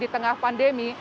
di tengah pandemi